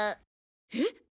えっ？